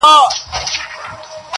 ور پسې وه د خزان وحشي بادونه!!